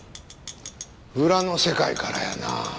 裏の世界からやなあ。